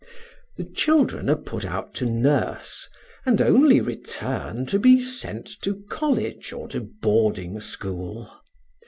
The children are put out to nurse, and only return to be sent to college or to boarding school.